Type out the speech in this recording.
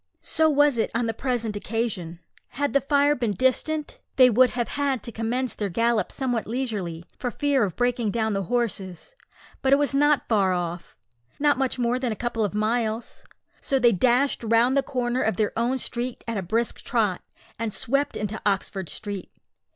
So was it on the present occasion. Had the fire been distant, they would have had to commence their gallop somewhat leisurely, for fear of breaking down the horses; but it was not far off not much more than a couple of miles so they dashed round the corner of their own street at a brisk trot, and swept into Oxford Street.